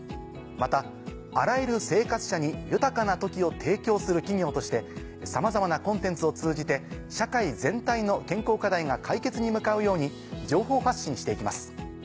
またあらゆる生活者に豊かな時を提供する企業としてさまざまなコンテンツを通じて社会全体の健康課題が解決に向かうように情報発信して行きます。